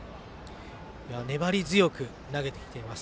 粘り強く投げてきています。